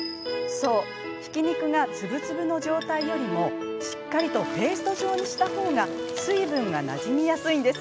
そう、ひき肉が粒々の状態よりもしっかりとペースト状にしたほうが水分がなじみやすいんです。